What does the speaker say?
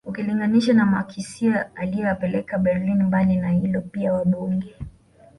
ukilinganisha na makisio aliyoyapeleka Berlin mbali na hilo pia wabunge